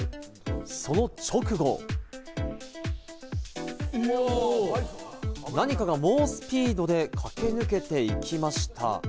その直後、何かが猛スピードで駆け抜けていきました！